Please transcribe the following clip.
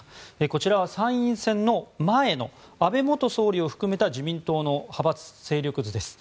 こちらは参院選前の安倍元総理を含めた自民党の派閥勢力図です。